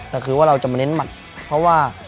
แต่คือว่าเราจะมาเน้นหมัดเพราะว่า